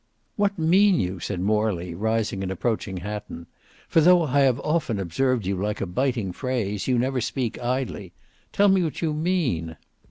"What mean you?" said Morley rising and approaching Hatton; "for though I have often observed you like a biting phrase, you never speak idly. Tell me what you mean."